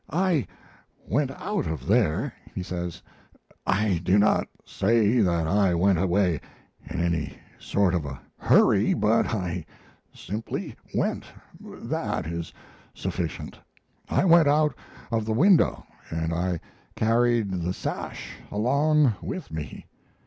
"I went out of there," he says. "I do not say that I went away in any sort of a hurry, but I simply went; that is sufficient. I went out of the window, and I carried the sash along with me.